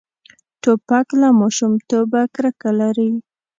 توپک له ماشومتوبه کرکه لري.